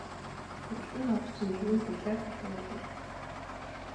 Худалдан авагч нь нэгэн булиа залуу эр байлаа.